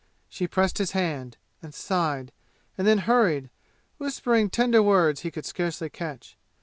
She pressed his hand, and sighed, and then hurried, whispering tender words he could scarcely catch.